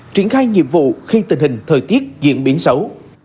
triển khai nhiệm vụ khi tình hình thời tiết diễn biến xấu